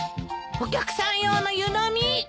お客さん用の湯飲み！